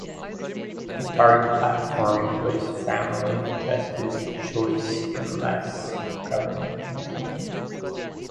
The party platform was Family, Justice, Choice and less Government control.